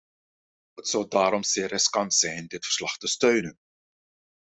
Het zou daarom zeer riskant zijn dit verslag te steunen.